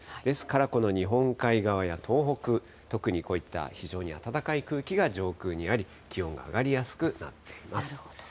ですから、この日本海側や東北、特にこういった非常に暖かい空気が上空にあり、気温が上がりやすくなっています。